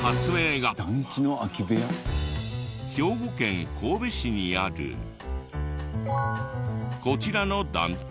兵庫県神戸市にあるこちらの団地。